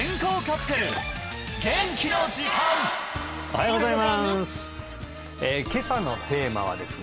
おはようございます